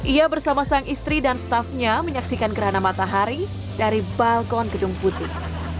ia bersama sang istri dan staffnya menyaksikan gerhana matahari dari balkon gedung putih